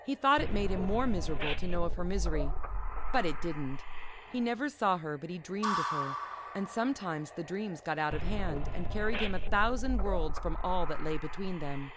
He thought it made him more miserable to know of her misery. But it didn't. He never saw her, but he dreamed of her, and sometimes the dreams got out of hand, and carried him a thousand worlds from all that lay between them.